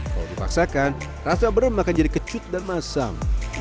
kalau dipaksakan rasa beram akan jadi kecut dan masam